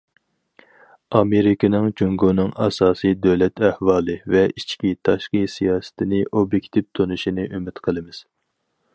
ئامېرىكىنىڭ جۇڭگونىڭ ئاساسىي دۆلەت ئەھۋالى ۋە ئىچكى تاشقى سىياسىتىنى ئوبيېكتىپ تونۇشىنى ئۈمىد قىلىمىز.